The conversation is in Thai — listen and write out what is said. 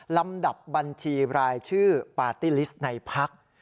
ลำดับบัญชีรายชื่อปาร์ตี้ลิสต์ในพัก